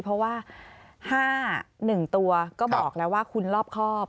เพราะว่า๕๑ตัวก็บอกแล้วว่าคุณรอบครอบ